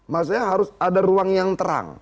maksudnya harus ada ruang yang terang